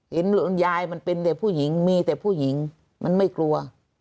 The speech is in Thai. ยายมันเป็นแต่ผู้หญิงมีแต่ผู้หญิงมันไม่กลัว